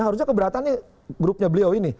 harusnya keberatannya grupnya beliau ini